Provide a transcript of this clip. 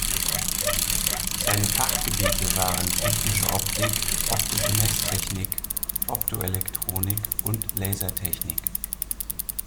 Seine Fachgebiete waren Technische Optik, Optische Messtechnik, Optoelektronik und Lasertechnik.